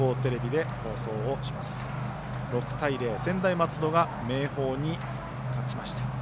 ６対０、専大松戸が明豊に勝ちました。